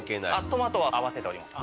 トマトは合わせております。